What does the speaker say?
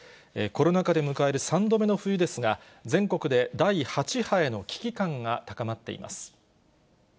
コロナ禍で迎える３度目の冬ですが、全国で第８波への危機感が高まっています。